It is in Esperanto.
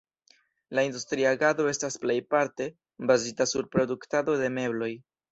La industria agado estas plejparte bazita sur produktado de mebloj.